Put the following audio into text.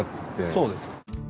そうです。